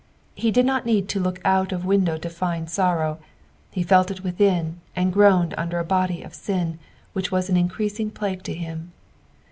Ho did not need tn look out of window to find sorrow, he felt it within, and groaned under a body of Bin which was an increasing plague to bim.